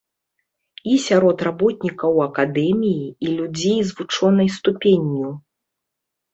І сярод работнікаў акадэміі, і людзей з вучонай ступенню.